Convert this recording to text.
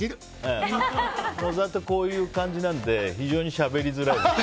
小沢ってこういう感じなんで非常にしゃべりづらいです。